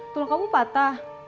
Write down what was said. tulang kamu patah